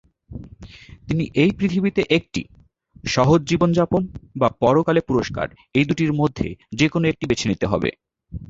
তিনি এই পৃথিবীতে একটি 'সহজ জীবন যাপন' বা 'পরকালে পুরষ্কার' এই দুটির মধ্যে যেকোন একটি বেছে নিতে হবে।